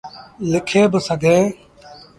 لکي با سگھيٚن۔